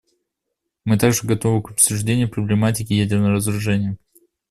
Мы также готовы к обсуждению проблематики ядерного разоружения.